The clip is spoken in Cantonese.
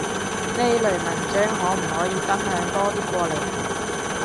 呢類文章可唔可以分享多啲過嚟？